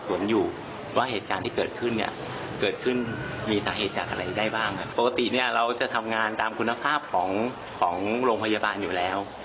ปกติเนี่ยเราจะทำงานตามคุณภาพของของโรงพยาบาลอยู่แล้ว